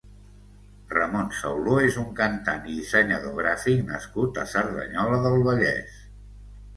Ramon Sauló és un cantant i dissenyador gràfic nascut a Cerdanyola del Vallès.